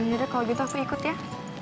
kalau gitu aku ikut ya